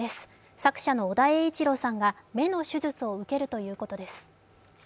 作者の尾田栄一郎さんが目の手術を受けるということです。